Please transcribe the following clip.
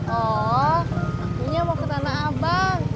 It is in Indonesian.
oh ininya mau ke tanah abang